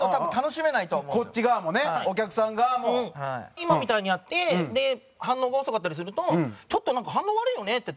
今みたいにやって反応が遅かったりするとちょっとなんか反応悪いよねって言って。